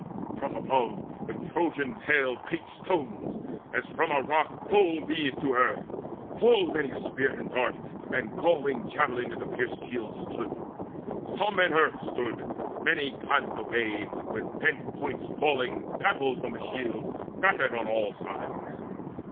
From above The Trojans hailed great stones; as from a rock Rolled these to earth. Full many a spear and dart And galling javelin in the pierced shields stood; Some in the earth stood; many glanced away With bent points falling baffled from the shields Battered on all sides.